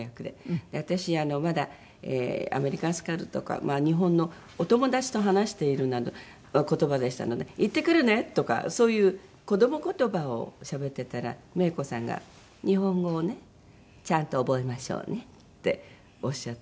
私まだアメリカンスクールとか日本のお友達と話している言葉でしたので「行ってくるね！」とかそういう子ども言葉をしゃべってたらメイコさんが「日本語をねちゃんと覚えましょうね」っておっしゃって。